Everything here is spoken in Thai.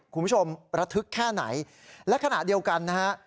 คุณผู้ชมระทึกแค่ไหนและขณะเดียวกันนะฮะ